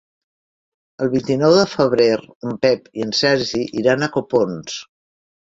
El vint-i-nou de febrer en Pep i en Sergi iran a Copons.